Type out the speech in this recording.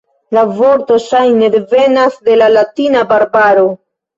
La vorto ŝajne devenas de la latina "barbaro".